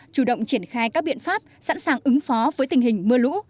chủ động triển khai các biện pháp sẵn sàng ứng phó với tình hình mưa lũ